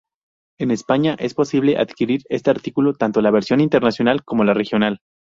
En España es posible adquirir este título tanto la versión internacional como la regional.